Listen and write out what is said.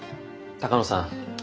鷹野さん